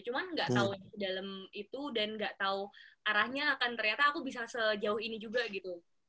cuma nggak tau itu dalam itu dan nggak tau arahnya akan ternyata aku bisa sejauh ini juga gitu